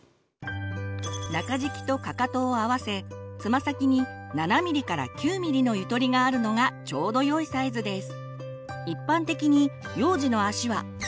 中敷きとかかとを合わせつま先に７ｍｍから９ｍｍのゆとりがあるのがちょうどよいサイズです。